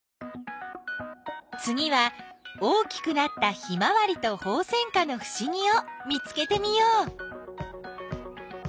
つぎは大きくなったヒマワリとホウセンカのふしぎを見つけてみよう。